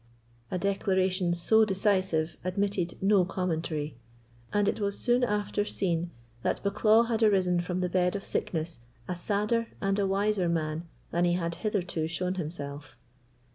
A declaration so decisive admitted no commentary; and it was soon after seen that Bucklaw had arisen from the bed of sickness a sadder and a wiser man than he had hitherto shown himself.